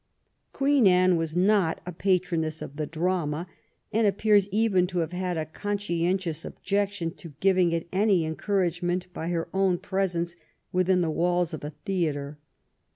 Queen Anne was not a patroness of the drama, and appears even to have had a conscientious objection to giving it any encouragement by her own presence within the walls of a theatre.